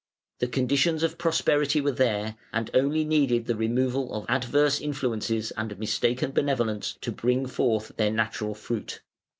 The conditions of prosperity were there, and only needed the removal of adverse influences and mistaken benevolence to bring forth their natural fruit.